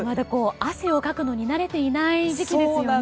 汗をかくのに慣れていない時期ですからね。